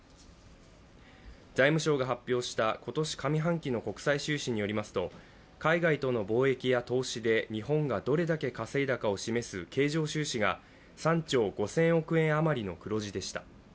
財務省が発表した今年上半期の国際収支によりますと、海外との貿易や投資で日本がどれだけ稼いだかを示す経常収支が３兆５０００億円あまりの黒字でした。